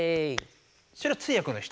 それは通訳の人？